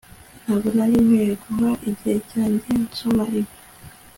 ntabwo nari nkwiye guta igihe cyanjye nsoma ibyo